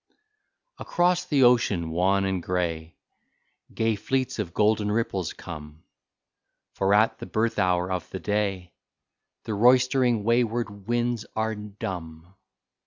Across the ocean, wan and gray. Gay fleets of golden ripples come, For at the birth hour of the day The roistering, wayward winds are dumb.